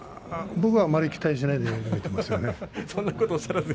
僕はあまり期待しないで見ていますけれど。